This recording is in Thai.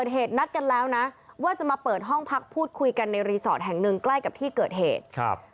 ห้องพักพูดคุยกันในรีสอร์ทแห่งหนึ่งใกล้กับที่เกิดเหตุ